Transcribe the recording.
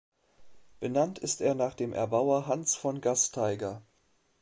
Benannt ist er nach dem Erbauer Hans von Gasteiger.